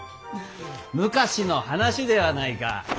昔の話ではないか。